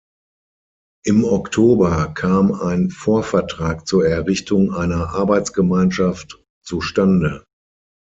Im Oktober kam ein Vorvertrag zur Errichtung einer Arbeitsgemeinschaft zustande.